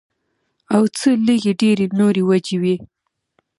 او څۀ لږې ډېرې نورې وجې وي